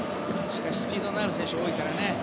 スピードのある選手が多いからね。